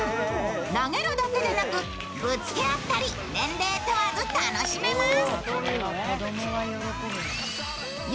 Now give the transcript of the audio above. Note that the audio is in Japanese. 投げるだけでなく、ぶつけ合ったり年齢問わず楽しめます。